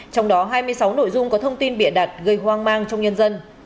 trong đó hai mươi sáu nội dung có thông tin bịa đặt gây hoang mang trong nhân dân